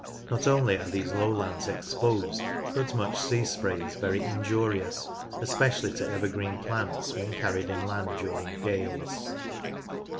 Not only are these lowlands exposed, but much sea spray is very injurious, especially to evergreen plants when carried inland during gales.